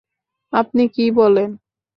আপনি কি বলেন?